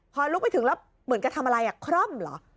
พอลุกไปถึงแล้วเหมือนกับทำอะไรคร่อมเหรอ